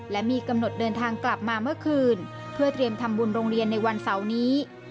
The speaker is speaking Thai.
และมีกำหนดเดินทางกลับมาเมื่อคืนเพื่อเตรียมทำบุญโรงเรียนในวันเสาร์นี้